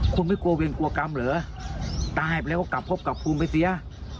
คุณไม่กลัวเวรกลัวกรรมเหรอตายไปแล้วก็กลับพบกับภูมิไปเสีย